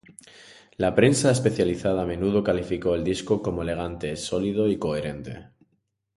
La prensa especializada a menudo calificó el disco como elegante sólido y coherente.